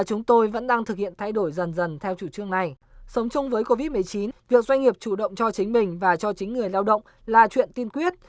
chúng tôi vẫn đang thực hiện thay đổi dần dần theo chủ trương này sống chung với covid một mươi chín việc doanh nghiệp chủ động cho chính mình và cho chính người lao động là chuyện tiên quyết